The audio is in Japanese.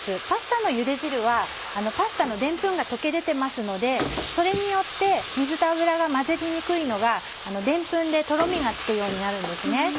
パスタのゆで汁はパスタのでんぷんが溶け出てますのでそれによって水と油が混ざりにくいのがでんぷんでとろみがつくようになるんですね。